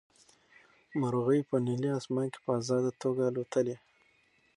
مرغۍ په نیلي اسمان کې په ازاده توګه الوتلې.